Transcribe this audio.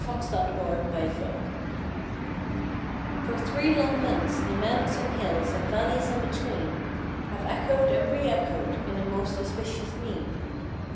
ESSENCE OF ELECTION DAY For three long months the mounts and hills and valleys in between, Have echoed and re echoed in a most auspicious mien.